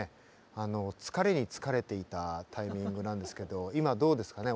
あの疲れに疲れていたタイミングなんですけど今どうですかね？